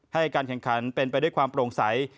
ให้การแข่งขันเป็นไปด้วยความโปร่งใส